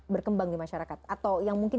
berkembang di masyarakat atau yang mungkin